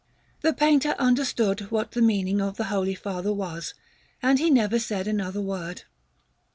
The painter understood what the meaning of the Holy Father was, and he never said another word.